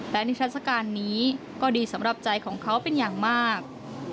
และนิทัศกาลนี้ก็ดีสำหรับใจของเขาเป็นอย่างมาก